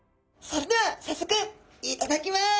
それではさっそくいただきます！